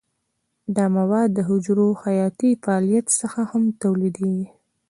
دا مواد د حجرو حیاتي فعالیت څخه هم تولیدیږي.